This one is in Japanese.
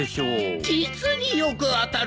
実によく当たる！